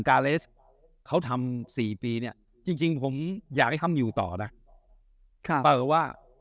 กาเลสเขาทำ๔ปีเนี่ยจริงผมอยากให้ทำอยู่ต่อนะค่ะว่า